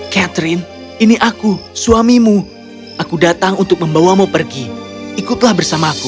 catherine ini aku suamimu aku datang untuk membawamu pergi ikutlah bersama aku